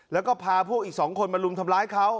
แล้วก็พาพวกอีก๒คนมารุมทำร้ายเขา